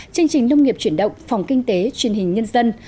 chương trình nông nghiệp chuyển động phòng kinh tế truyền hình nhân dân